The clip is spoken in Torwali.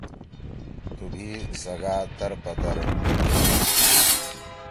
تُو بھی سگا در پہ در گَیدُو!